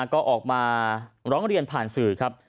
ก็ออกมาร้องเรียนผ่านสื่อครับ